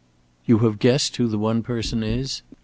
"You have guessed who the one person is?"